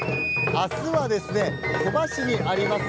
明日は、鳥羽市にあります